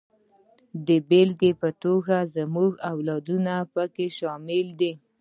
د بېلګې په توګه زموږ اولادونه پکې شامل دي.